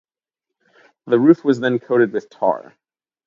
The roof was then coated with tar.